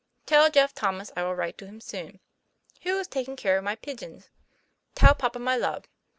Tell Jeff Thomas I will write to him soon. Who is tak in care of my pijins? Tell papa my love.